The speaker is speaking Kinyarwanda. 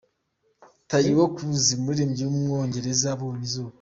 Taio Cruz, umuririmbyi w’umwongereza yabonye iauba.